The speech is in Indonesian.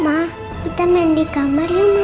ma kita main di kamar yuk mama